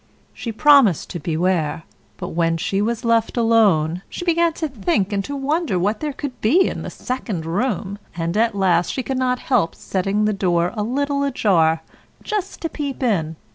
She promised to beware; but when she was left alone, she began to think and to wonder what there could be in the second room, and at last she could not help setting the door a little ajar, just to peep in, when POP!